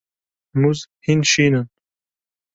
Mûz hîn şîn in.